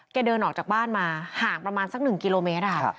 เดินออกจากบ้านมาห่างประมาณสัก๑กิโลเมตรค่ะ